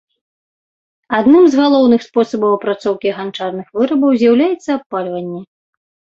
Адным з галоўных спосабаў апрацоўкі ганчарных вырабаў з'яўлялася абпальванне.